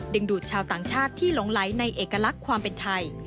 ดูดชาวต่างชาติที่หลงไหลในเอกลักษณ์ความเป็นไทย